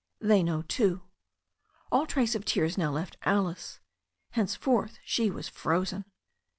They know too." All trace of tears now left Alice. Henceforth she was frozen.